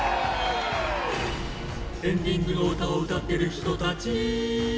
「エンディングの歌をうたってる人たち」